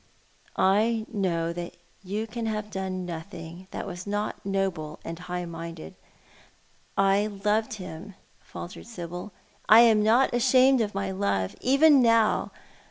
" I know that you can have done nothing that was not noble and high minded." "I loved him," faltered Sibyl. "I am not ashamed of my love — even now.